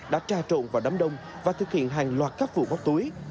đã tra trộn vào đám đông và thực hiện hàng loạt các vụ bóc túi